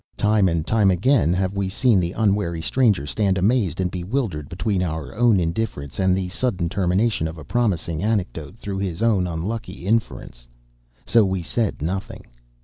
Time and time again have we seen the unwary stranger stand amazed and bewildered between our own indifference and the sudden termination of a promising anecdote, through his own unlucky interference. So we said nothing.